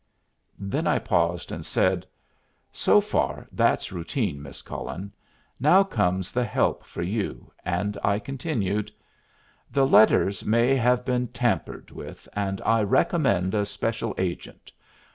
Then I paused and said, "So far, that's routine, Miss Cullen. Now comes the help for you," and I continued: "The letters may have been tampered with, and I recommend a special agent.